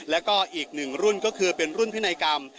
แล้วก็อีกหนึ่งรุ่นก็คือเป็นรุ่นพินัยกรรม